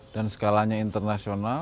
dan skalanya internasional